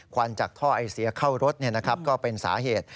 วันจากท่อไอเสียเข้ารถก็เป็นสาเหตุ